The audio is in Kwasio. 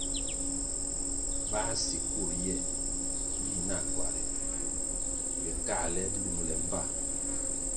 Báh sikur ye yih nakuare ywiah káhle lungle mbpa.